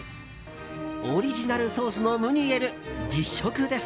オリジナルソースのムニエル実食です。